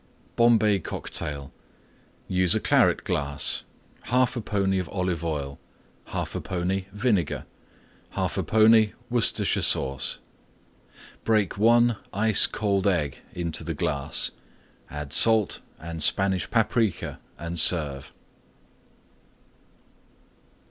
BOMBAY COCKTAIL Use a Claret glass. 1/2 pony Olive Oil. 1/2 pony Vinegar. 1/2 pony Worcestershire Sauce. Break one Ice Cold Egg into glass. Add salt and Spanish Paprica and serve.